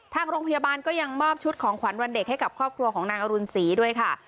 ทางโรงพยาบาลก็ยังมอบชุดของขวัญวันเด็กให้กับครอบครัวของนางอรุณศรีด้วยค่ะ